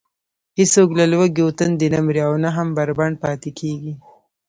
هېڅوک له لوږې و تندې نه مري او نه هم بربنډ پاتې کېږي.